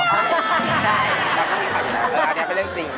ใช่เราก็มีไข่อยู่แล้วแล้วนี่ก็เรื่องจริง